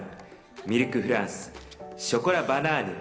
ミルクフランスショコラバナーヌ。